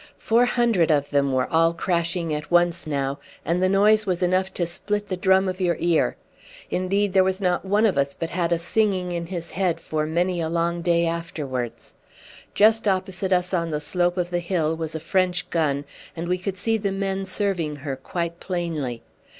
Four hundred of them were all crashing at once now, and the noise was enough to split the drum of your ear. Indeed, there was not one of us but had a singing in his head for many a long day afterwards. Just opposite us on the slope of the hill was a French gun, and we could see the men serving her quite plainly.